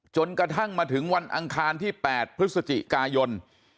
จนกระทั่งมาถึงวันอังคารที่๘พฤศจิกายน